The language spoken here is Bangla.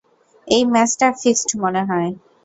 এই, ম্যাচটা ফিক্সড মনে হয়।